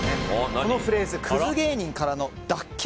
そのフレーズクズ芸人からの脱却。